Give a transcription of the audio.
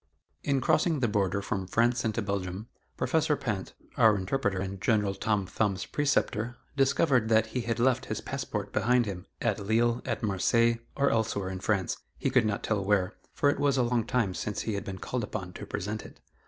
In crossing the border from France into Belgium, Professor Pinte, our interpreter and General Tom Thumb's preceptor, discovered that he had left his passport behind him at Lille, at Marseilles, or elsewhere in France, he could not tell where, for it was a long time since he had been called upon to present it.